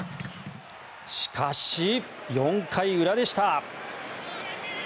しかし、４回裏でした。